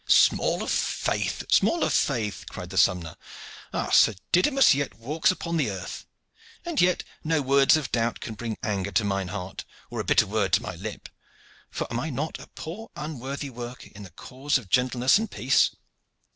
"Small of faith! Small of faith!" cried the sompnour. "Ah, Sir Didymus yet walks upon earth! And yet no words of doubt can bring anger to mine heart, or a bitter word to my lip, for am I not a poor unworthy worker in the cause of gentleness and peace?